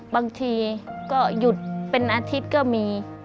บางทีก็หยุดเป็นอาทิตย์ก็มี